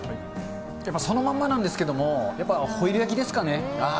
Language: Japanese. やっぱそのままなんですけど、やっぱホイル焼きですかね。